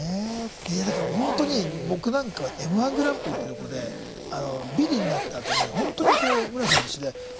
いやだからほんとに僕なんかはＭ−１グランプリってとこでビリになったあとにほんとに室屋さんと一緒で恥ずかしい。